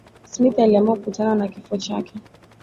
smith aliamua kukutana na kifo chake